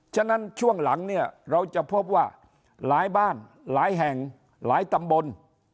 ฉะนั้นช่วงหลังเนี่ยเราจะพบว่าหลายบ้านหลายแห่งหลายตำบล